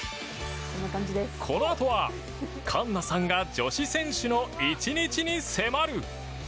このあとは、環奈さんが女子選手の１日に迫る。